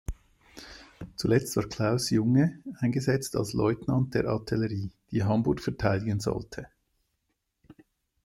Zuletzt war Klaus Junge eingesetzt als Leutnant der Artillerie, die Hamburg verteidigen sollte.